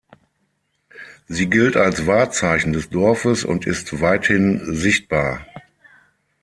Sie gilt als Wahrzeichen des Dorfes und ist weithin sichtbar.